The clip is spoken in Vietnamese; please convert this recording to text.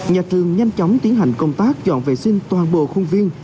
nhà trường nhanh chóng tiến hành công tác dọn vệ sinh toàn bộ khuôn viên